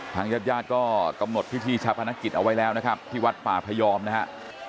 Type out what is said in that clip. ทางญาติญาติก็กำหนดพิธีชาพนักกิจเอาไว้แล้วนะครับที่วัดป่าพยอมนะครับ